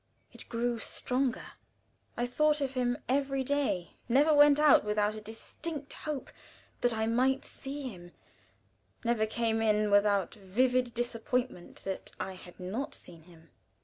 It grew stronger. I thought of him every day never went out without a distinct hope that I might see him; never came in without vivid disappointment that I had not seen him.